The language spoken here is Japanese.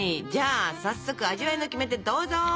じゃあ早速味わいのキメテどうぞ！